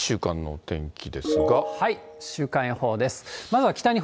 週間予報です。